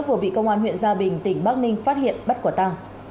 vừa bị công an huyện gia bình tỉnh bắc ninh phát hiện bắt quả tăng